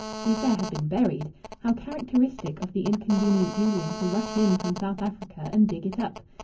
The affair had been buried. How characteristic of the inconvenient Julian to rush in from South Africa and dig it up!